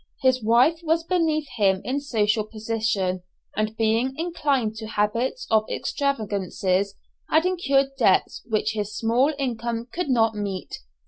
His wife was beneath him in social position and being inclined to habits of extravagance had incurred debts which his small income could not meet.